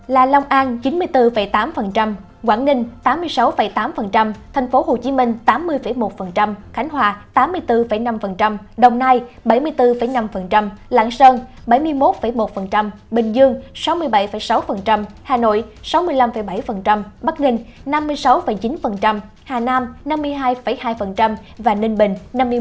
là long an chín mươi bốn tám quảng ninh tám mươi sáu tám tp hcm tám mươi một khánh hòa tám mươi bốn năm đồng nai bảy mươi bốn năm lạng sơn bảy mươi một một bình dương sáu mươi bảy sáu hà nội sáu mươi năm bảy bắc ninh năm mươi sáu chín hà nam năm mươi hai hai và ninh bình